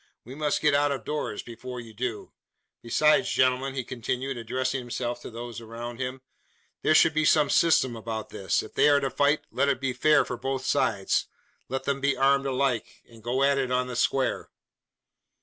We must get out of doors before you do. Besides, gentlemen!" he continued, addressing himself to those around him, "there should be some system about this. If they are to fight, let it be fair for both sides. Let them be armed alike; and go at it on the square!"